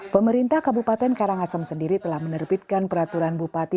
pemerintah kabupaten karangasem sendiri telah menerbitkan peraturan bupati